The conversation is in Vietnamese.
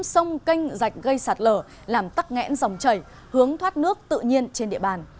sông canh rạch gây sạt lở làm tắc ngẽn dòng chảy hướng thoát nước tự nhiên trên địa bàn